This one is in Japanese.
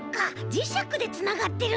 じしゃくでつながってるんだ！